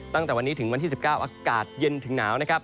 ตั้งแต่วันนี้ถึงวันที่๑๙อากาศเย็นถึงหนาวนะครับ